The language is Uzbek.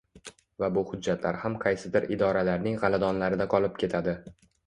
Va bu hujjatlar ham qaysidir idoralarning g`aladonlarida qolib ketadi